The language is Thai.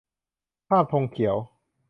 ภาพธงเขียว